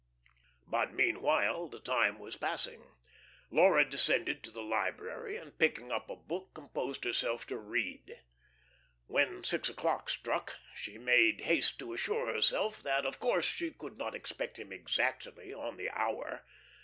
But meanwhile the time was passing. Laura descended to the library and, picking up a book, composed herself to read. When six o'clock struck, she made haste to assure herself that of course she could not expect him exactly on the hour.